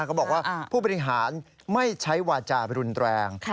เขาบอกว่าผู้บริหารไม่ใช้วาจารุนแรง